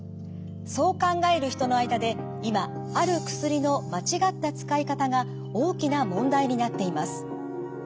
そう考える人の間で今ある薬の間違った使い方が大きな問題になっています。